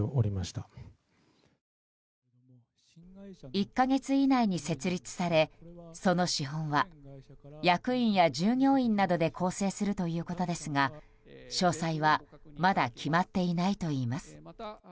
１か月以内に設立されその資本は役員や従業員などで構成するということですが詳細はまだ決まっていないといいます。